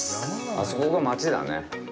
あそこが町だね。